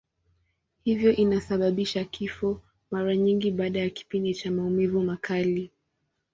Hivyo inasababisha kifo, mara nyingi baada ya kipindi cha maumivu makali.